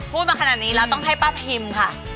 พูดกันขนาดนี้เราต้องแพ้ป้าพิมฮ์ค่ะ